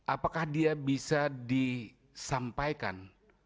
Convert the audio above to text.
apakah dia bisa disampaikan